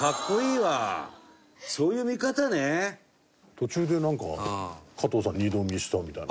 途中でなんか「加藤さん２度見した」みたいな。